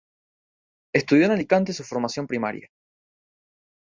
Estudió en Alicante su formación primaria.